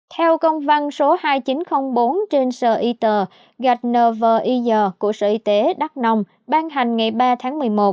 theo công văn số hai nghìn chín trăm linh bốn trên sở y tế gạch nvis của sở y tế đắk nông ban hành ngày ba tháng một mươi một